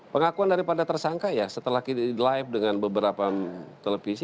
pengakuan daripada tersangka ya setelah live dengan beberapa televisi